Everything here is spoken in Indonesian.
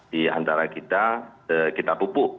di antara kita kita pupuk